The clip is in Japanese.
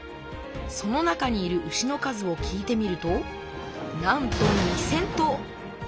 その中にいる牛の数を聞いてみるとなんと２，０００頭！